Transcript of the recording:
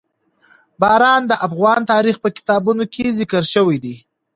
باران د افغان تاریخ په کتابونو کې ذکر شوی دي.